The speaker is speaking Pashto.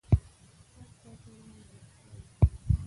پاک چاپېریال د روغتیا ضامن دی.